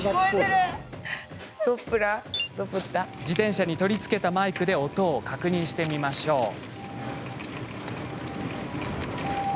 自転車に取り付けたマイクで音を確認してみましょう。